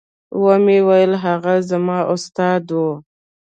ومې ويل هغه زما استاد و.